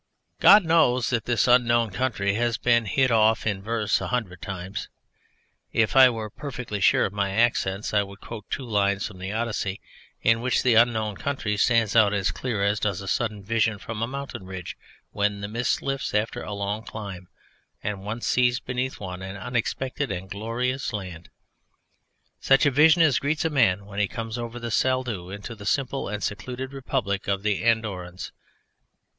God knows that this Unknown Country has been hit off in verse a hundred times. If I were perfectly sure of my accents I would quote two lines from the Odyssey in which the Unknown Country stands out as clear as does a sudden vision from a mountain ridge when the mist lifts after a long climb and one sees beneath one an unexpected and glorious land; such a vision as greets a man when he comes over the Saldeu into the simple and secluded Republic of the Andorrans.